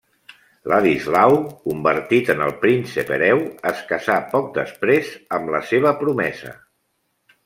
Ladislau, convertit en el príncep hereu, es casà poc després amb la seva promesa.